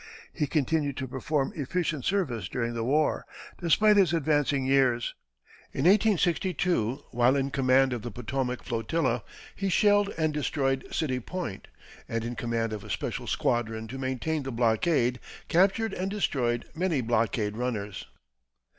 He continued to perform efficient service during the war, despite his advancing years. In 1862, while in command of the Potomac flotilla, he shelled and destroyed City Point, and in command of a special squadron to maintain the blockade, captured and destroyed many blockade runners.